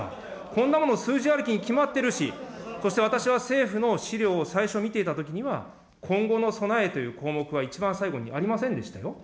こんなもの、数字ありきに決まってるし、そして私は政府の資料を最初、見ていたときには、今後の備えという項目は一番最後にありませんでしたよ。